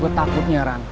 gue takutnya ren